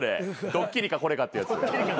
ドッキリかこれかってやつ。